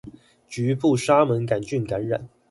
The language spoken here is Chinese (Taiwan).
局部沙門桿菌感染